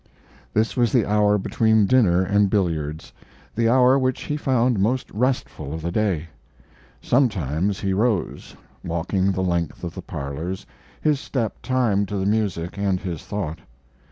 This was the hour between dinner and billiards the hour which he found most restful of the day. Sometimes he rose, walking the length of the parlors, his step timed to the music and his thought.